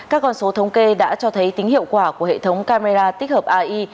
các con số thống kê đã cho thấy tính hiệu quả của hệ thống camera tích hợp ai